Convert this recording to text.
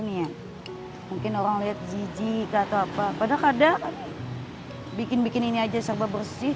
nia mungkin orang liat jijik atau apa padahal kadang bikin bikin ini aja serba bersih kami di rumah